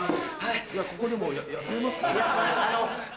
ここでも休めますかね？